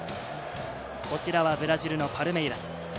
こちらはブラジルのパルメイラス。